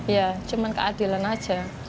ya cuman keadilan aja